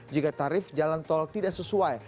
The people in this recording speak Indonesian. jika tarif jalan tol tidak sesuai